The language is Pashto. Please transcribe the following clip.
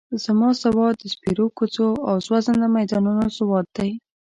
زما سواد د سپېرو کوڅو او سوځنده میدانونو سواد دی.